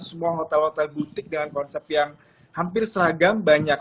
semua hotel hotel butik dengan konsep yang hampir seragam banyak